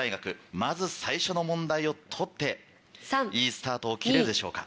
まず最初の問題を取っていいスタートを切れるでしょうか。